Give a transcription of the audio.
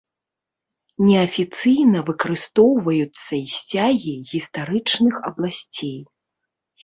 Неафіцыйна выкарыстоўваюцца і сцягі гістарычных абласцей.